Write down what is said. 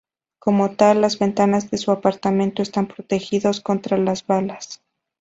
Como tal, las ventanas de su apartamento están protegidos contra las balas.